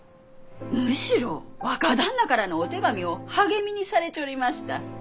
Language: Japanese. むしろ若旦那からのお手紙を励みにされちょりました。